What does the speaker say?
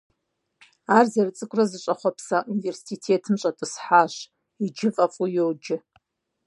Ар зэрыцӀыкӀурэ зыщӀэхъуэпса университетым щӀэтӀысхьащ, иджы фӏэфӏу йоджэ.